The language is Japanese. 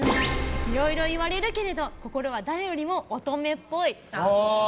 いろいろ言われるけれど心は誰よりも乙女っぽい。